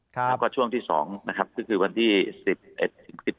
แล้วก็ช่วงที่๒นะครับก็คือวันที่๑๑ถึง๑๘